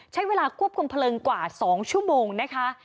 ใช้เวลาควบคุมเพลิงกว่า๒ชั่วโมงนะคะ